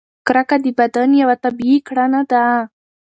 کرکه د بدن یوه طبیعي کړنه ده.